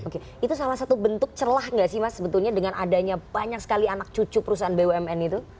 oke itu salah satu bentuk celah nggak sih mas sebetulnya dengan adanya banyak sekali anak cucu perusahaan bumn itu